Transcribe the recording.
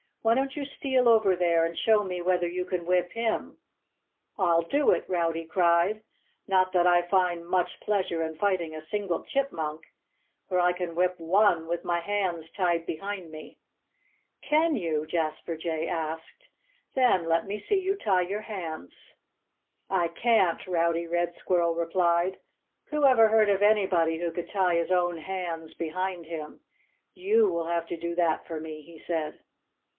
Why don't you steal over there and show me whether you can whip him?" "I'll do it!" Rowdy cried. "Not that I find much pleasure in fighting a single chipmunk for I can whip one with my hands tied behind me." "Can you?" Jasper Jay asked. "Then let me see you tie your hands." "I can't!" Rowdy Red Squirrel replied. "Who ever heard of anybody who could tie his own hands behind him?... You will have to do that for me," he said.